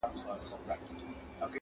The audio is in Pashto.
هم په اور هم په اوبو کي دي ساتمه!